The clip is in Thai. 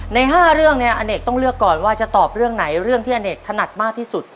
ใน๕เรื่องเนี่ยอเนกต้องเลือกก่อนว่าจะตอบเรื่องไหนเรื่องที่อเนกถนัดมากที่สุด